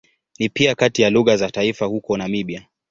Ni pia kati ya lugha za taifa huko Namibia.